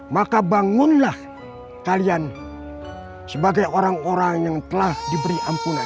maka bangunlah kalian sebagai orang orang yang telah diberi ampunan